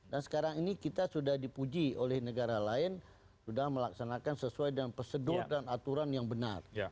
dan sekarang ini kita sudah dipuji oleh negara lain sudah melaksanakan sesuai dengan pesedul dan aturan yang benar